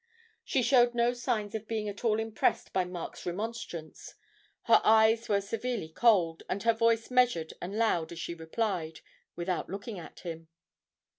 She showed no signs of being at all impressed by Mark's remonstrance; her eyes were severely cold, and her voice measured and loud as she replied, without looking at him.